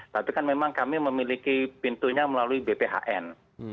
tapi kan memang kami memiliki pintunya melalui bphn